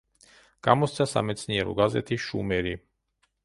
გამოსცა სამეცნიერო გაზეთი „შუმერი“.